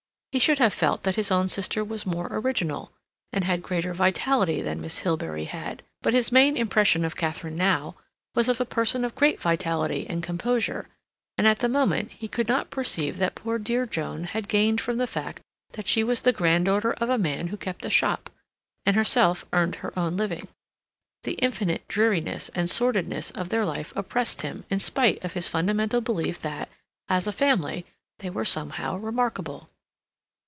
He should have felt that his own sister was more original, and had greater vitality than Miss Hilbery had; but his main impression of Katharine now was of a person of great vitality and composure; and at the moment he could not perceive what poor dear Joan had gained from the fact that she was the granddaughter of a man who kept a shop, and herself earned her own living. The infinite dreariness and sordidness of their life oppressed him in spite of his fundamental belief that, as a family, they were somehow remarkable.